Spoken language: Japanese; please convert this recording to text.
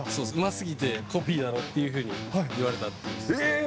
そう、うますぎて、コピーだろっていうふうに言われたっていう。